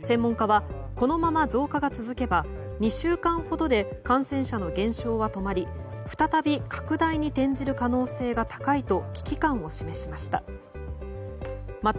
専門家は、このまま増加が続けば２週間ほどで感染者の減少は止まり再び拡大に転じる可能性が高いと危機感を示しました。